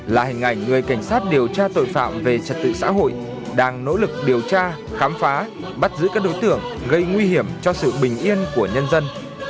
là hình ảnh người cảnh sát điều tra tội phạm về trật tự xã hội đang nỗ lực điều tra khám phá bắt giữ các đối tượng gây nguy hiểm cho sự bình yên của nhân dân